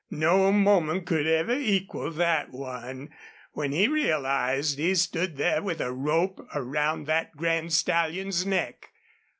No moment could ever equal that one, when he realized he stood there with a rope around that grand stallion's neck.